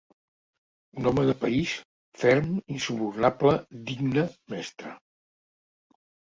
Un home de país, ferm, insubornable, digne, mestre.